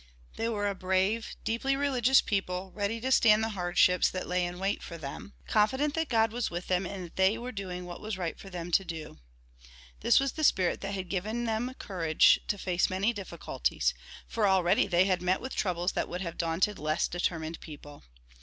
They were a brave, deeply religious people, ready to stand the hardships that lay in wait for them, confident that God was with them and that they were doing what was right for them to do. This was the spirit that had given them courage to face many difficulties, for already they had met with troubles that would have daunted less determined people.